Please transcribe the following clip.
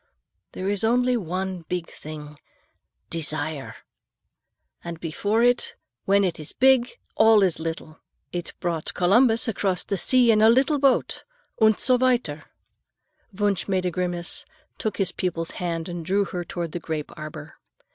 There is only one big thing—desire. And before it, when it is big, all is little. It brought Columbus across the sea in a little boat, und so weiter." Wunsch made a grimace, took his pupil's hand and drew her toward the grape arbor.